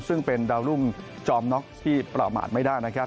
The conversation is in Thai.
ซึ่งเป็นดาวรุ่งจอมน็อกที่ประมาทไม่ได้นะครับ